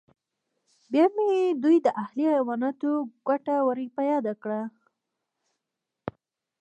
بیا مې د دوی د اهلي حیواناتو کوټه ور په یاد شوه